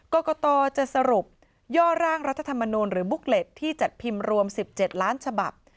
กรกตจะสรุปย่อร่างรัฐธรรมนูลหรือบุ๊กเล็ตที่จัดพิมพ์รวม๑๗ล้านฉบับ